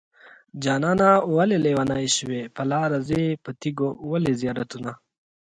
جانانه ولې لېونی شوې په لاره ځې په تيګو ولې زيارتونه